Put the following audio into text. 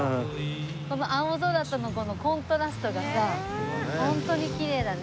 この青空とのこのコントラストがさホントにきれいだね。